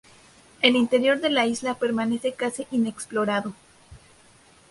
El interior de la isla permanece casi inexplorado.